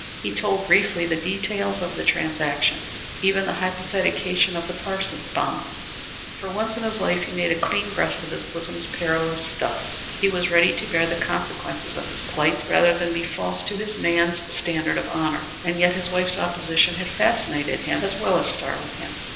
He told briefly the details of the transaction; even the hypothecation of the Parsons bonds. For once in his life he made a clean breast of his bosom's perilous stuff. He was ready to bear the consequences of his plight rather than be false to his man's standard of honor, and yet his wife's opposition had fascinated as well as startled him.